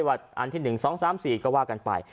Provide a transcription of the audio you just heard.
วันอันที่๑๒๓๔ก็ว่ากันไป